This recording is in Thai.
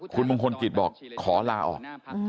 คุณมงคลกิจบอกขอลาออก